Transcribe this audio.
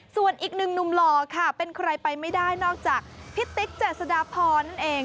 ส่วนอีกหนึ่งหนุ่มหล่อค่ะเป็นใครไปไม่ได้นอกจากพี่ติ๊กเจษฎาพรนั่นเอง